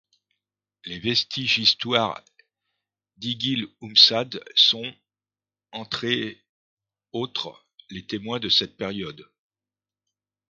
Les vestiges histoires d'Ighil-Oumsad sont, entrés autres, les temoins de cette période.